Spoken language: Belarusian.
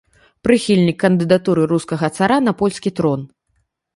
Прыхільнік кандыдатуры рускага цара на польскі трон.